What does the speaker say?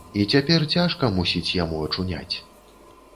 І цяпер цяжка, мусіць, яму ачуняць.